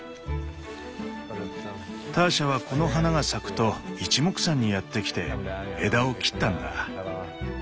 ターシャはこの花が咲くといちもくさんにやって来て枝を切ったんだ。